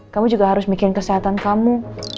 kamu juga harus bikin kesehatan kamu